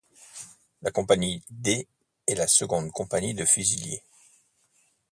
La compagnie D est la seconde compagnie de fusiliers.